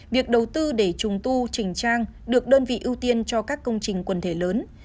việc đầu tư để trùng tu trình trang được đơn vị ưu tiên cho các công trình quần thể lớn